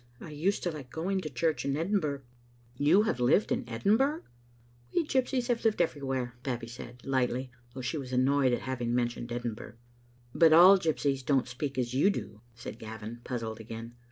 I used to like going to church in Edinburgh," "You have lived in Edinburgh?" "We gypsies have lived everywhere," Babbie said, lightly, though she was annoyed at having mentioned Edinburgh. " But all gypsies don't speak as you do," said Gavin, puzzled again.